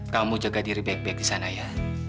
kamu jaga diri baik baik di sana ya